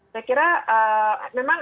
saya kira memang